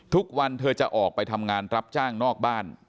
เธอจะออกไปทำงานรับจ้างนอกบ้าน